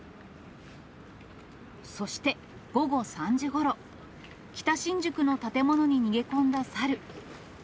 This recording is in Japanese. そして午後３時ごろ、北新宿の建物に逃げ込んだ猿。